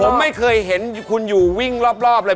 ผมไม่เคยเห็นคุณอยู่วิ่งรอบเลย